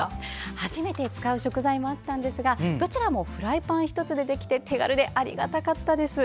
初めて使う食材もあったのですがどちらもフライパン１つでできて手軽でありがたかったです。